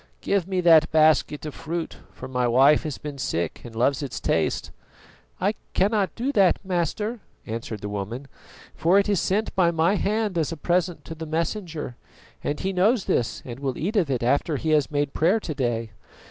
Give me that basket of fruit, for my wife has been sick and loves its taste." "I cannot do that, Master," answered the woman, "for it is sent by my hand as a present to the Messenger, and he knows this and will eat of it after he has made prayer to day.